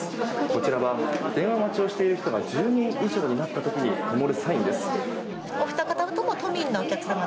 こちらは電話待ちをしている人が１０人以上になった時にともるサインです。